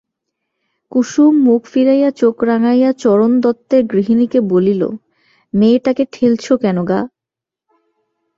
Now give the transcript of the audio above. কুসুম মুখ ফিরাইয়া চোখ রাঙাইয়া চরণ দত্তের গৃহিণীকে বলিল, মেয়েটাকে ঠেলছ কেন গা?